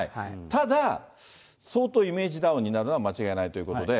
ただ相当イメージダウンになるのは、間違いないということで。